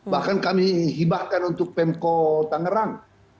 bahkan kami hibahkan untuk pemko tangerang